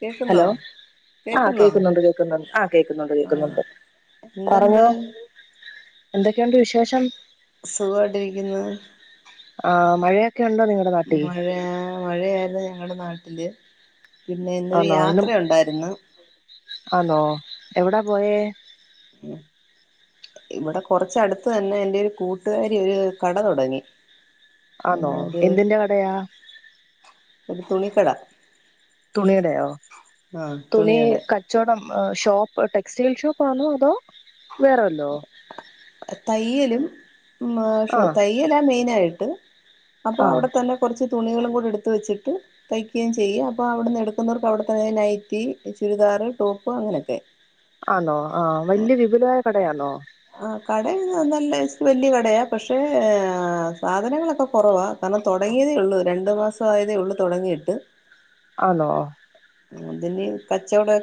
കേക്കുന്നോ ഹലോ ആ കേക്കുന്നോ കേക്കുന്നുണ്ട് കേക്കുന്നു ആ കേക്കുന്നുണ്ട് ആഹ് കേക്കുന്നുണ്ട് എന്തുണ്ട് പറഞ്ഞോ എന്തൊക്കെയണ്ട് വിശ് ശേഷം സുഗവാട്ടിരിക്കുന്ന് ആ മഴയ മഴയാ മഴയാല്ലേ ങ്ങടെ നാ ട്ടില് പിന്നെ ഇന്നൊരു ആന്നോ യാത്ര ഇന്നും ഒണ്ടാരുന്ന് എവ്ടാ പോയേ ഇവിട കൊറച്ചടുത്ത് തന്നെ എന്റെ ഒരു കൂട്ടുകാരി ഒരു കട തൊടങ്ങി ആന്നോ എന്തിന്റ കടയാ ഒരു തുണിക്കട തുണിയ്ടെയോ ആഹ് തുണി തുണിയുടെ കച്ചോടം മ് ഷോപ്പ് ടെക്സ്റ്റൈൽ ഷോപ്പാന്നോ അതോ വേറെല്ലോ തയ്യലും മ്മ് ആ ഷോ തയ്യലാ മെയ്നായ്ട്ട് അപ്പൊ ആ അവിട തന്നെ കൊറച്ച് തുണികളും കൂടെടെടുത്ത് വെച്ചിട്ട് തയ്ക്കുകേം ചെയ്യും അപ്പൊ അവ്ടുന്നെടുക്കുന്നവർക്ക് അവിടത്തെതേ നൈറ്റി ചുരിദാറ് ടോപ്പ് അങ്ങനൊക്കെ ആന്നോ ആ വല്യ വിപുലായ ക ടെയാന്നോ ആ കട നല്ല വല്യ കടയാ. പക്ഷേ സാധനങ്ങളൊക്കെ കുറവാ, കാരണം തുടങ്ങിയതേള്ളൂ രണ്ടു മാസ- ആയതേള്ളൂ തുടങ്ങിട്ട്. ആണോ. അതിന് കച്ചവടൊ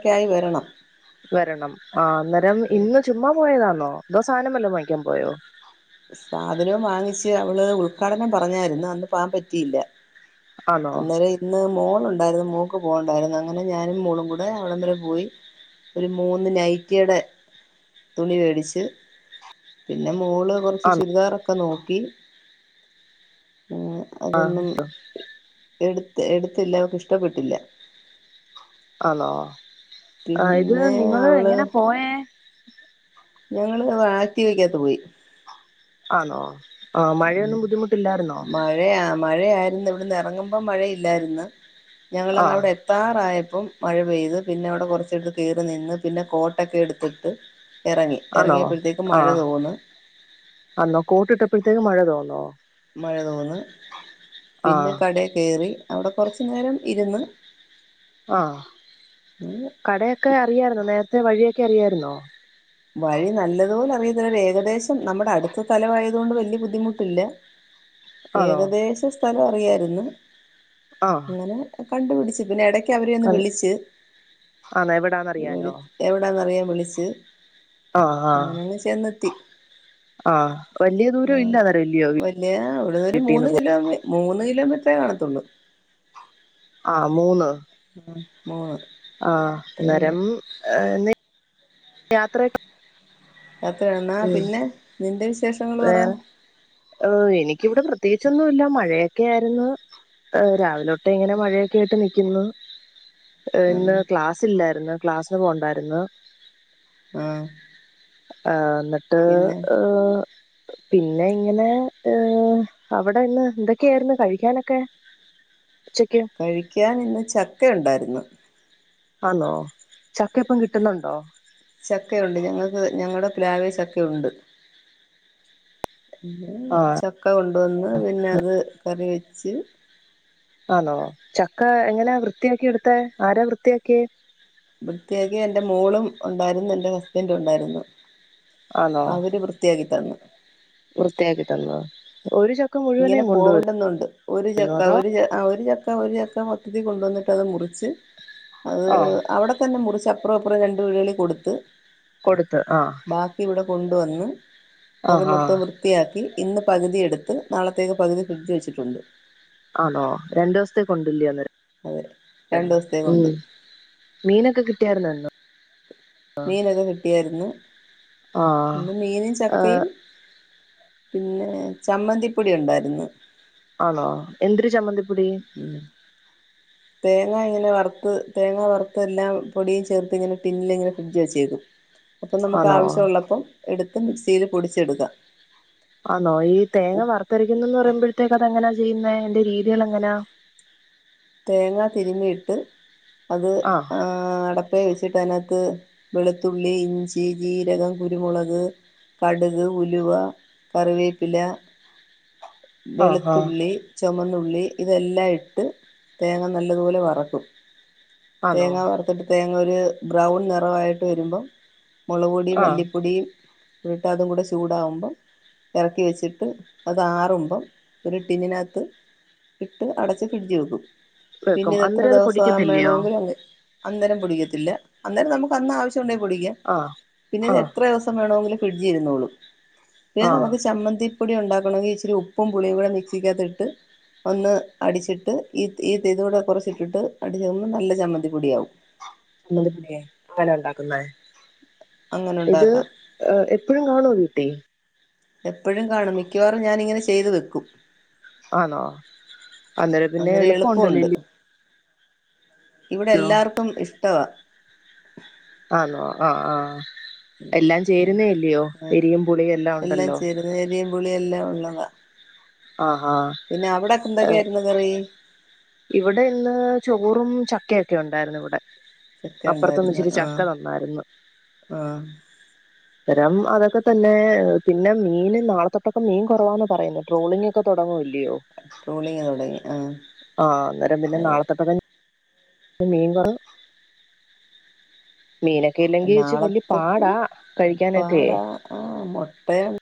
വരണം ആ അന്നേരം ഇന്ന് ചുമ്മാ പോയതന്നോ. ദോ സാനം വല്ലോ മേടിക്കാൻ പോയോ സാധനവും വാങ്ങിച്ച് അവള് ഉദ്ഘാടനം പറഞ്ഞായിരുന്ന അന്ന് പകാൻ പറ്റിയില്ല. ആന്നോ അന്നേരം ഇന്ന് മോളു അതായത് മോൾക്ക് പോകണ്ടായിരുന്നു. അങ്ങനെ മോളും ഞാനും കൂടി അവിടം വരെ പോയി. ഒരു മൂന്നു നൈറ്റിയുടെ തുണി മേടിച്ച് പിന്നെ മോള് ആന്നോ ചുരിദാറൊക്കെ നോക്കി അതൊന്നും എടു എടുത്തില്ല അവൾക്ക് ഇഷ്ടപ്പെട്ടില്ല. ആണോ ആ ഇത് പിന്നെ നിങ്ങള് അവള് എങ്ങനാ പോയേ ഞങ്ങള് ആക്റ്റീവക്കകത്ത് പോയി ആണോ ആ ഉം മഴയൊന്നും ബുദ്ധിമുട്ടില്ലായിരുന്നോ മഴയാ ആ മഴയാ ഇന്ന് ഇവിടുന്ന് ഇറങ്ങുമ്പോം മഴയില്ലായിരുന്ന് ആ ഞങ്ങളങ് അവിടെ എത്താറായപ്പം മഴ പെയ്തു പിന്നെ അവിടെ കുറച്ചിട്ട് കേറി നിന്ന് പിന്നെ കോട്ടൊക്കെ എടുത്തിട്ട്. ഇറങ്ങി ആണോ ഇറങ്ങിയപ്പോഴത്തേക്ക് ആ മഴ തോന്ന് അപ്പോഴത്തേക്ക് മഴ തോന്നോ മഴ തോന്ന് ആ പിന്നെ കടേ കേറി. അവിടെ കുറച്ചു നേരം ഇരുന്ന് ആ കടയൊക്കെ അറിയായിരുന്നോ നേരത്തെ വഴി കെ അറിയായിരുന്നോ വഴി നല്ലതുപോലെ അറി ഏകദേശം നമ്മുടെ അടുത്ത സ്ഥലമായതു കൊണ്ട് വലിയ ബുദ്ധിമുട്ടില്ല. ആണോ ഏകദേശ സ്ഥലം അ റിയായിരുന്ന ആ അങ്ങന കണ്ടു പിടിച്ച് ഇതിനിട ക്ക് അവര് ചെന്ന് വിളിച്ച് ആണോ എവിടാന്നറിയാനോ എവിടെയാണെന്ന് അറിയാൻവേ വിളിച്ച് ആ ആ ഞാനങ്ങ് ചെന്നെത്തി ആ വലിയ ആ ദൂരം ഇല്ല അന്നേരം ഇല്ലയോ വലിയ അവിടെരു വീട്ടീന്ന് മൂന്ന് പോ കിലോമി മൂന്ന് കിലോമീറ്റർ [unintelligible] കാണാത്തൊള്ളൂ ആ മൂന്ന് ഉം മൂന്ന് ആ അത്രേയുള്ളൂ അന്നരം നെ യാത്രയൊ അത്രയെന്നാ പിന്നെ നിന്റെ വി വേറെ എനിക്കിവിടെ പ്ര പ്രത്യേകിച്ചൊന്നുമില്ല മഴയൊക്കെ ആയിരുന്നു രാവിലെ തൊട്ടേ ഇങ്ങനെ മഴയൊക്കെ ആയിട്ട് നിൽക്കുന്നു ഇന്ന് ആഹ് ക്ലാസ് ഇല്ലായിരുന്നു ക്ലാസിന് പോണ്ടായിരുന്ന് ആഹ് ആഹ് എന്നിട്ട് പിന്നെ പിന്നെ ഇങ്ങനെ ഏർ അവിടെ ഇന്ന് എന്തൊക്കെയായിരുന്നു കഴിക്കാനൊക്കെ ഉച്ചക്ക് കഴിക്കാൻ ഇന്ന് ചക്ക ഉണ്ടായിരുന്നു ആണോ ചക്കയിപ്പം കിട്ടുന്നുണ്ടോ ചക്കയുണ്ട് ഞങ്ങൾക്ക് ഞങ്ങളുടെ പ്ലാവേ ചക്കയുണ്ട് പിന്നെ ആഹ് ചക്ക കൊണ്ടുവന്ന് പിന്നെ അത് കറി വെ വെച്ച് ആണോ ചക്ക എങ്ങനാ വൃത്തിയാക്കി എടുത്തേ ആരാ വൃത്തിയാക്കിയേ വൃത്തിയാക്കിയ എന്റെ മോളും ഉണ്ടായിരുന്നു എന്റെ ഹസ്ബൻറും ഉണ്ടായിരുന്നു ആന്നോ അവര് വൃത്തിയാകി തന്നു വൃത്തിയാക്കി തന്നോ ഒരു ച ഇങ്ങനെ പോകണ്ടന്നുണ്ട് ഒരു ചക്ക അതോ ഒരു ഒരു ചക്ക ഒരു ചക്ക മൊത്തത്തിൽ കൊണ്ടുവന്നിട്ട് അത് മുറിച്ച് അത് ആഹ് അവിടെ തന്നെ മുറിച്ച അപ്പറം ഇപ്പുറം രണ്ട് വീടുകളിൽ കൊടുത്ത് കൊടുത്ത് ആഹ് ബാക്കി ഇവിടെ കൊണ്ടുവന്ന് അത് ആഹ് ആഹ് മൊത്തം വൃത്തിയാക്കി ഇന്ന് പകുതിയെടുത്ത് നാളത്തേക്ക് പകുതി ഫ്രിഡ്ജ് വച്ചിട്ടുണ്ട് ആണോ രണ്ടു ദിവസത്തേക്ക് ഉണ്ടില്ലയോ അതെ രണ്ടു ഉം ദിവസത്തേക്കുണ്ട് മീനൊക്കെ കിട്ടിയായിരുന്നോ ഇന്ന് മീനൊക്കെ കിട്ടിയായിരുന്നു ഇന്ന് ആഹ് മീനും ചക്കയും പിന്നെ ചമ്മന്തിപ്പൊടി ഉണ്ടായിരുന്നു ആണോ എന്തിരി ചമ്മന്തി പിെ [unintelligible] തേങ്ങ ഇങ്ങനെ വറുത്ത് തേങ്ങ വറുത്തു എല്ലാം പൊടിയും ചേർത്ത് ഇങ്ങനെ ടിന്നിൽ ഇങ്ങനെ ഫ്രിഡ്ജ് വെച്ചേക്കും അപ്പം നമുക്ക് ആണോ ആവശ്യം ഉള്ളപ്പോം എടുത് മിക്സിയിൽ പൊടിച്ചെടുക്ക ആന്നോ ഈ തേങ്ങ വറുത്തരിക്കുന്നന്ന് പറയുമ്പോഴത്തേക്ക് അതെങ്ങനെ ചെയ്യുന്ന അതിന്റെ രീതികളെങ്ങനാ തേങ്ങ തിരിമിയിട്ട് അത് ആഹ് ആ അടപ്പേ വെച്ച് നാത്ത് വെളുത്തുള്ളി ഇഞ്ചി ജീരകം കുരുമുളക് കടുക് ഉലുവ കറിവേപ്പില ആഹ് ആഹ് വെളുത്തുള്ളി ചുമന്നുള് ഉള്ളി ഇതെല്ലാം ഇട്ട് തേങ്ങ നല്ലതുപോലെ വറക്കും ആന്നോ തേങ്ങ വറ്ത്തിട്ട് തേങ്ങ അ ഒരു ബ്രൗൺ നിറവായിട്ട് വരുമ്പോ മുളകുപൊടിയും ആഹ് മല്ലിപ്പൊടിയും ഇട്ട് അതും കൂടെ ചൂടാവുമ്പം ഇറക്കി വെച്ചിട്ട് അത് ആറുമ്പ ഒരു ടിന്നിനാത്ത് ഇട്ട് അടച്ച് ഫ്രിഡ്ജ് വെക്കും വെക്കും പിന്നെ ഇത്രേം അന്നേരം അത് ദിവസം പൊടിക്കത്തില്ലയോ വേണോങ്കിലും അന്നരം പൊടിക്കത്തില്ല അന്നേരം നമുക്ക് അന്ന ആവശ്യ ണ്ടെ പൊടിക്കാം ആഹ് പിന്നെ ഇത് ആഹ് എത്ര ദവസം വേണെങ്കിലും ഫ്രിഡ്ജ് ഇരുന്നോളും പിന്നെ ആഹ് നമക്ക് ചമ്മന്തി പൊടി ഉണ്ടാക്കണങ്കി ഇച്ചിരി ഉപ്പും പുളിയും കൂടെ മിക്സിക്കകത്തിട്ട് ഒന്ന് അടിച്ചിട്ട് ഈ ഈ ഇതൂടെ കൊറച്ച് ഇട്ടിട്ട് അടിച്ച നല്ല ചമ്മന്തിപ്പൊടിയാകും അങ്ങനെ ഉണ്ടാക്കുന്ന അങ്ങനെ ഇത് ഉണ്ടാക്കാം എപ്പഴും കാണോ വീട്ടി എപ്പഴും കാണും മിക്കവാറും ഞാനിങ്ങനെ ചെയ്തു വെക്കും ആണോ അന്നേരം പിന്നെ എളുപ്പം ഉണ്ടല്ലോ ലി ഇവിടെ എല്ലാർക്കും ഇഷ്ടവ ആണോ ആഹ ആഹ എല്ലാം ചേരുന്നേ ല്യോ എരിയും പുളിയും എല്ലാം ഉണ്ടല്ലോ പുളിയെല്ലാം ഉള്ളത ആഹാ പിന്നെ അവിടെക്കെ എന്തൊക്കെയായിരുന്നു കറി ഇവിടെ ഇന്ന് ചോറും ചക്കയൊക്കെ ഉണ്ടായിരുന്നു ഇവിടെ ചക്ക അപ്പുറത്തൊന്ന് ഉണ്ടായിരുന്നു ഇച്ചിരി ആ ചക്ക തന്നായിരുന്നു ആ അന്നരം അതൊക്കെ തന്നെ പിന്നെ മീൻ നാളത്തൊട്ടൊക്കെ മീൻ കുറവാന്ന് പറയുന്നത് ട്രോളിംഗ് ഒക്കെ തുടങ്ങല്ലേ ട്രോളിങ് തുടങ്ങി ആ ആ അന്നേരം പിന്നെ നാളത്തൊട്ടക്ക അത് മീൻകറി നാളത്തൊട്ട് പാടാ കഴിക്കാനൊക്കെ ഇപ്പാട ആ മുട്ടയ